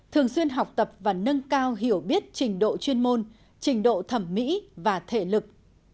thường xuyên học tập và nâng cao hiểu biết trình độ chuyên môn trình độ thẩm mỹ và thể lực